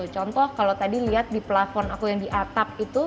contoh kalau tadi lihat di plafon aku yang di atap itu